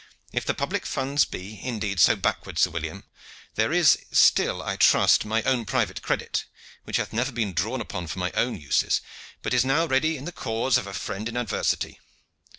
"If the public funds be, indeed, so backward, Sir William, there is still, I trust, my own private credit, which hath never been drawn upon for my own uses, but is now ready in the cause of a friend in adversity.